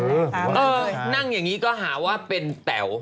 เออนั่งอย่างนี้ก็หาว่าเป็นแต๋ว